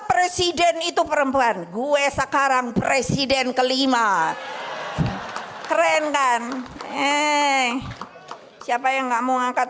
presiden itu perempuan gue sekarang presiden kelima keren kan eh siapa yang enggak mau angkat